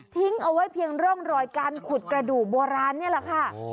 ทิ้งเอาไว้เพียงร่องรอยการขุดกระดูกโบราณนี่แหละค่ะ